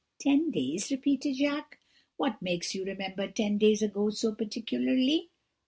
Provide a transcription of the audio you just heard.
"'Ten days?' repeated Jacques; 'what makes you remember ten days ago so particularly?'